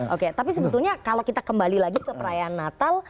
oke tapi sebetulnya kalau kita kembali lagi ke perayaan natal